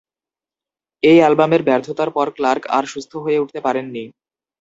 এই অ্যালবামের ব্যর্থতার পর ক্লার্ক আর সুস্থ হয়ে উঠতে পারেননি।